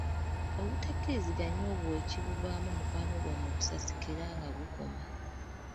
Obutakkiriziganya obwo, ekibuvaamu, mukwano gwammwe kusasika era nga gukoma.